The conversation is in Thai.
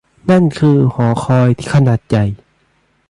นั่นคือหอคอยขนาดใหญ่ !